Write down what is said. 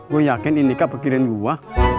gua yakin ineke mikirin gua